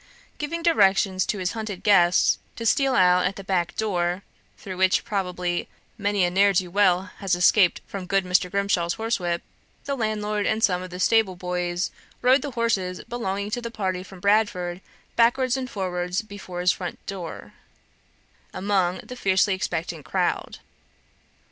Giving directions to his hunted guests to steal out at the back door (through which, probably, many a ne'er do weel has escaped from good Mr. Grimshaw's horsewhip), the landlord and some of the stable boys rode the horses belonging to the party from Bradford backwards and forwards before his front door, among the fiercely expectant crowd.